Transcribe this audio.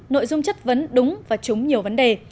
nội dung chất vấn đúng và trúng nhiều vấn đề